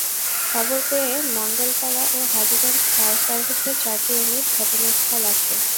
খবর পেয়ে মণ্ডলপাড়া ও হাজীগঞ্জ ফায়ার সার্ভিসের চারটি ইউনিট ঘটনাস্থল আসে।